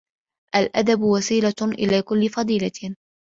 الْأَدَبُ وَسِيلَةٌ إلَى كُلِّ فَضِيلَةٍ